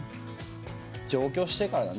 上京してからだね。